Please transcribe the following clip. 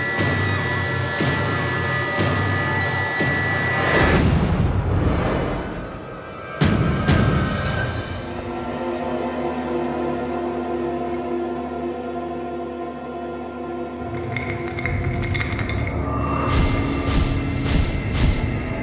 มึงนี่ไอ้บอส